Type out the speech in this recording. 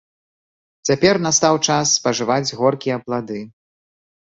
Цяпер настаў час спажываць горкія плады.